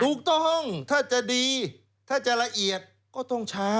ถูกต้องถ้าจะดีถ้าจะละเอียดก็ต้องช้า